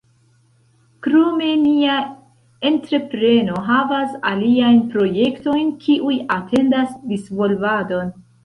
Krome, nia entrepreno havas aliajn projektojn kiuj atendas disvolvadon.